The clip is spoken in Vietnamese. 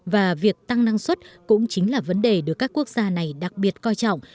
và việc tăng năng suất cũng chính là vấn đề được các quốc gia này đặc biệt coi trọng